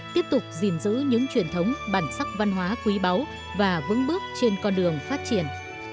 tiếp tục gìn giữ những truyền thống bản sắc văn hóa quý báu và vững bước trên con đường phát triển